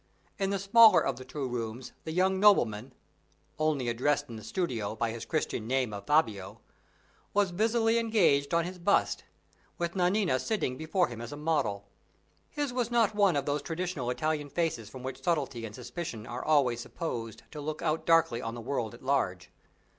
In the smaller of the two rooms the young nobleman (only addressed in the studio by his Christian name of Fabio) was busily engaged on his bust, with Nanina sitting before him as a model. His was not one of those traditional Italian faces from which subtlety and suspicion are always supposed to look out darkly on the world at large.